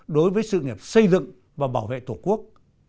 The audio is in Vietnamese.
đối với sự nghiệp xây dựng và bảo vệ tổ quốc